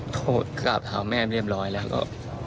โทรกราบเท้าแม่เรียบร้อยแล้วก็